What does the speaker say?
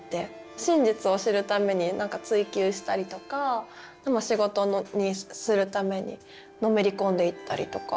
真実を知るために何か追求したりとかでも仕事にするためにのめり込んでいったりとか。